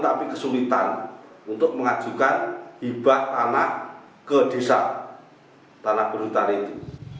tapi kesulitan untuk mengajukan hibah anak ke desa tanah berhutang itu